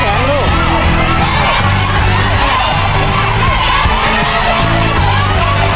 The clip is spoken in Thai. ครอบครัวของแม่ปุ้ยจังหวัดสะแก้วนะครับ